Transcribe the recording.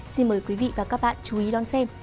xin mời quý vị và các bạn chú ý đón xem